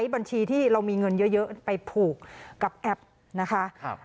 บัญชีที่เรามีเงินเยอะไปผูกกับแอปนะคะ